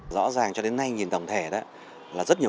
rõ ràng cho đến nay nhìn tổng thể đó là rất nhiều